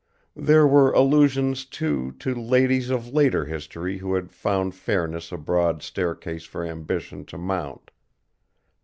There were allusions, too, to ladies of later history who had found fairness a broad staircase for ambition to mount.